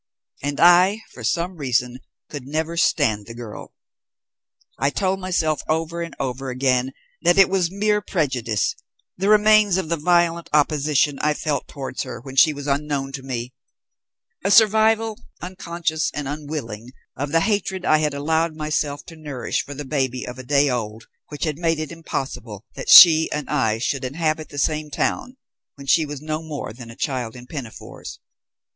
And I, for some reason, could never stand the girl. I told myself over and over again that it was mere prejudice; the remains of the violent opposition I felt towards her when she was unknown to me; a survival, unconscious and unwilling, of the hatred I had allowed myself to nourish for the baby of a day old, which had made it impossible that she and I should inhabit the same town when she was no more than a child in pinafores.